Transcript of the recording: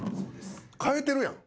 変えてるやん。